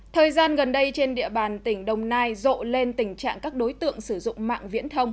thời gian gần đây trên địa bàn tỉnh đồng nai rộ lên tình trạng các đối tượng sử dụng mạng viễn thông